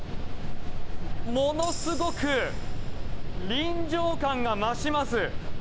ものすごく臨場感が増します。